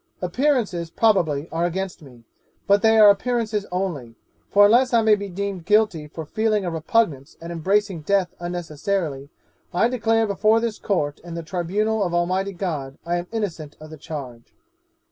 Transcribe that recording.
'Appearances, probably, are against me, but they are appearances only; for unless I may be deemed guilty for feeling a repugnance at embracing death unnecessarily, I declare before this Court and the tribunal of Almighty God, I am innocent of the charge.